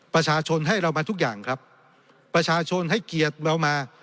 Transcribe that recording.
ประชาชนให้เรามาทุกอย่างครับประชาชนให้เกียรติเรามา